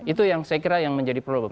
itu yang saya kira yang menjadi problem